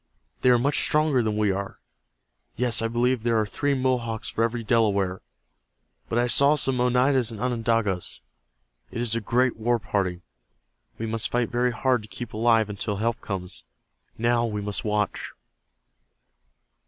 They are much stronger than we are. Yes, I believe there are three Mohawks for every Delaware. But I saw some Oneidas and Onondagas. It is a great war party. We must fight very hard to keep alive until help comes. Now we must watch."